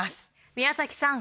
宮崎さん